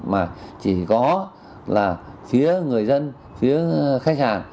mà chỉ có là phía người dân phía khách hàng